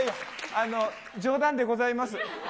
冗談でございます。